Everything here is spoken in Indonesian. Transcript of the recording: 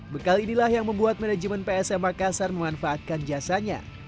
bekal inilah yang membuat manajemen psm makassar memanfaatkan jasanya